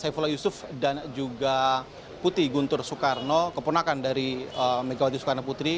saifullah yusuf dan juga putih guntur soekarno keponakan dari megawati soekarno putri